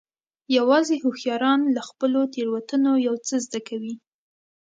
یوازې هوښیاران له خپلو تېروتنو یو څه زده کوي.